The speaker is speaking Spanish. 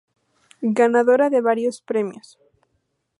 Ganadora de varios premios.